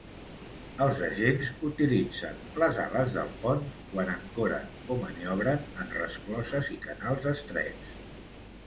Els agents utilitzen les ales del pont quan ancoren o maniobren en rescloses i canals estrets.